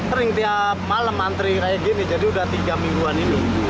sering tiap malam antri kayak gini jadi udah tiga mingguan ini